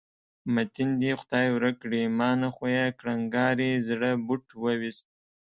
متین دې خدای ورک کړي، ما نه خو یې کړنګاري زړه بوټ وویست.